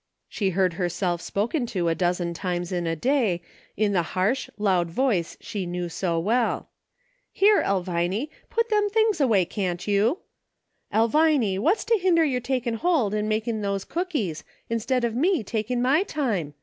She heard herself spoken to a dozen times in a day in the harsh, loud voice she knew so well :" Here, Elviny, put them things away, can't you }"" Elviny, what's to hinder your takin' hold and A "PROVIDENCE. 2/5 makin* these cookies, instead of me takin' my time